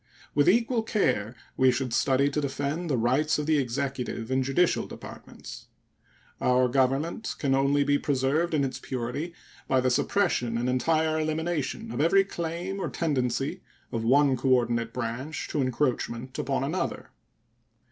With equal care we should study to defend the rights of the executive and judicial departments. Our Government can only be preserved in its purity by the suppression and entire elimination of every claim or tendency of one coordinate branch to encroachment upon another.